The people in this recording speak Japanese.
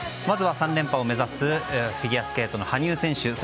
まずは３連覇を目指すフィギュアスケートの羽生選手